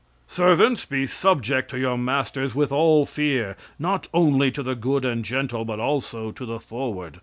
"Servants, be subject to your masters with all fear; not only to the good and gentle, but also to the froward.